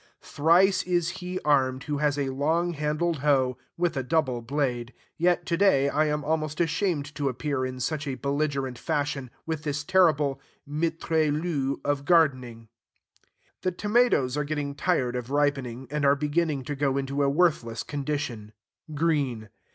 Thrice is he armed who has a long handled hoe, with a double blade. Yet to day I am almost ashamed to appear in such a belligerent fashion, with this terrible mitrailleuse of gardening. The tomatoes are getting tired of ripening, and are beginning to go into a worthless condition, green.